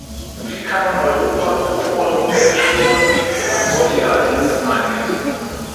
Wie kann man Europa pro-europäisch führen, wenn man solche Allianzen eingeht?